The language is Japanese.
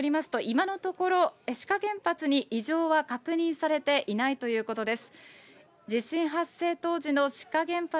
今のところ、志賀原発に異常は確認されていないということです。